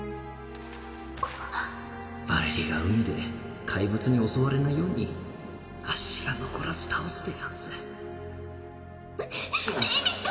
あっヴァレリが海で怪物に襲われないようにあっしが残らず倒すでやんすんっ！